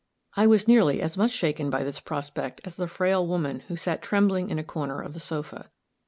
I was nearly as much shaken by this prospect as the frail woman who sat trembling in a corner of the sofa.